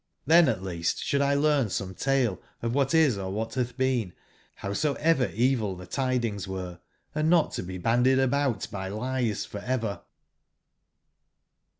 TThen at least should i learn some tale of what is or what hath been, how soever evil the tidings were, and not to be bandied about by lies for ever."